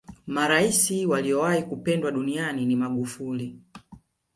maraisi waliyowahi kupendwa duniani ni magufuli